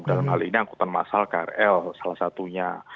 dalam hal ini angkutan massal krl salah satunya